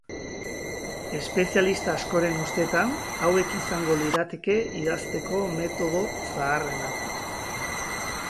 Espezialista askoren ustetan hauek izango lirateke idazteko metodo zaharrenak.